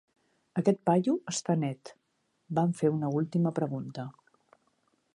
"Aquest paio està net". Van fer una última pregunta.